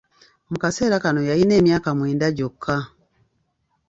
Mu kaseera kano yalina emyaka mwenda gyokka.